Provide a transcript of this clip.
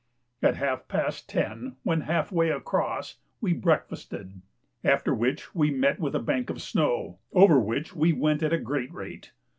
At half past 10, when half way across, we breakfasted, after which we met with a bank of snow, over which we went at a great rate.